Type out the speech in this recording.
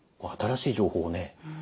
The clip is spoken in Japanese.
新しい情報をね